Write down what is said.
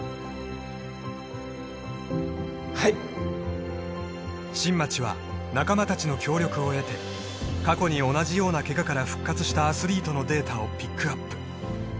はい新町は仲間達の協力を得て過去に同じようなケガから復活したアスリートのデータをピックアップ